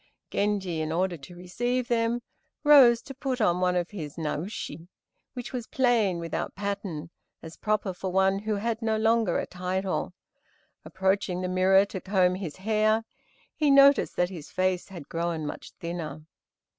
Genji, in order to receive them, rose to put on one of his Naoshi, which was plain, without pattern, as proper for one who had no longer a title. Approaching the mirror, to comb his hair, he noticed that his face had grown much thinner.